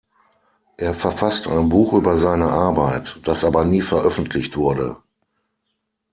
Er verfasste ein Buch über seine Arbeit, das aber nie veröffentlicht wurde.